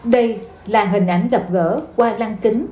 đây là hình ảnh gặp gỡ qua lăng kính